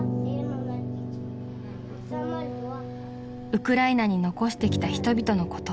［ウクライナに残してきた人々のこと］